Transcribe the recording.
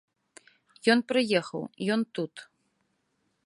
Ён прыехаў, ён тут.